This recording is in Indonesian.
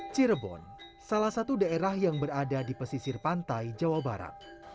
cirebon salah satu daerah yang berada di pesisir pantai jawa barat